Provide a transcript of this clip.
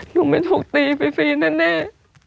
หนูไม่ถูกตีฟรีแน่